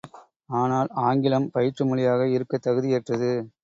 ஆனால், ஆங்கிலம் பயிற்றுமொழியாக இருக்கத் தகுதியற்றது.